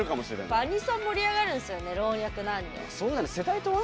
アニソン盛り上がるんですよね、老若男女。